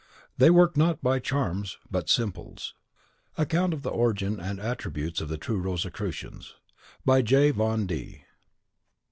They work not by charms, but simples. "MS. Account of the Origin and Attributes of the true Rosicrucians," by J. Von D